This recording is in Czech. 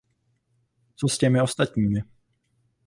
Co s těmi ostatními?